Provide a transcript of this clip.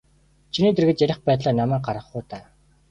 Чиний дэргэд ярих байтлаа намайг гаргах уу даа.